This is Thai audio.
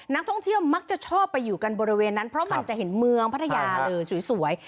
นักท่องเที่ยวมักจะชอบไปอยู่กันบริเวณนั้นเพราะมันจะเห็นเมืองพัทยาเลยสวย